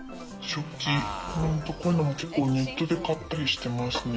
食器、こういうのもネットで買ったりしてますね。